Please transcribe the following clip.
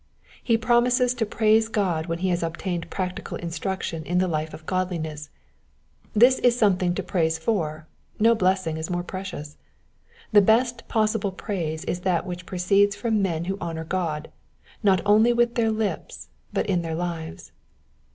He promises to praise God when he has obtained practical instruction in the hfe of godliness : this is something to praise for, no blessing is more precious. The best possible praise is that which proceeds from men' who honour God. not only with their lips, but in their lives.